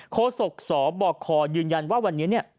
โควิด๑๙สอบบอกคอยืนยันว่าวันนี้